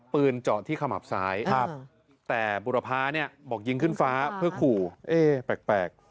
ปืนเจาะที่ขมับซ้ายแต่บุรพาเนี่ยบอกยิงขึ้นฟ้าเพื่อขู่เอ๊แปลก